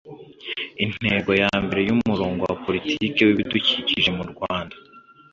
intego ya mbere y'umurongo wa politiki w'ibidukikije mu rwanda